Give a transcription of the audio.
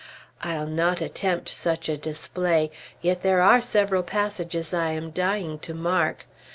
I'll not attempt such a display; yet there are several passages I am dying to mark.